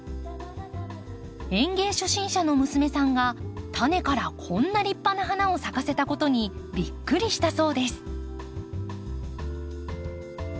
園芸初心者の娘さんがタネからこんな立派な花を咲かせたことにびっくりしたそうです。